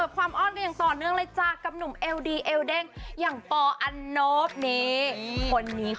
เห็นเทรนด์แบบนี้นี่